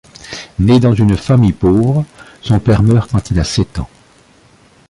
Né dans une famille pauvre, son père meurt quand il a sept ans.